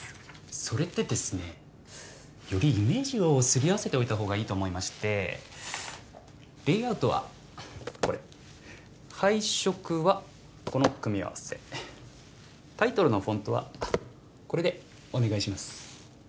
それでですねよりイメージをすり合わせておいた方がいいと思いましてレイアウトはこれ配色はこの組み合わせタイトルのフォントはこれでお願いします